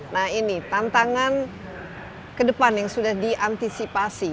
nah ini tantangan kedepan yang sudah diantisipasi